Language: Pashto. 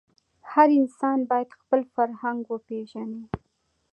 هر انسان باید خپل فرهنګ وپېژني.